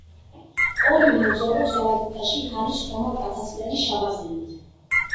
ორივე მოგზაურობს გალაქტიკაში ჰანის ხომალდ ათასწლიანი შავარდენით.